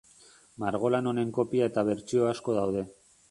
Margolan honen kopia eta bertsio asko daude.